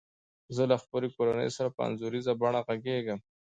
زه له خپلي کورنۍ سره په انځوریزه بڼه غږیږم.